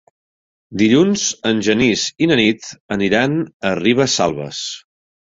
Dilluns en Genís i na Nit aniran a Ribesalbes.